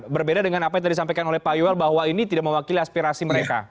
berbeda dengan apa yang tadi disampaikan oleh pak yuel bahwa ini tidak mewakili aspirasi mereka